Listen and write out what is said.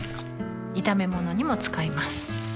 炒め物にも使います